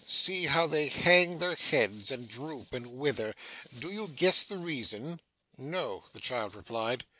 See how they hang their heads, and droop, and wither. Do you guess the reason?' 'No,' the child replied.